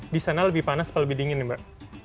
di sana lebih panas apa lebih dingin ya mbak